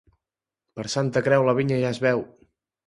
Per Santa Creu la vinya ja es veu.